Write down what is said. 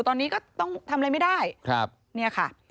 ตอนนี้ก็ต้องทำอะไรไม่ได้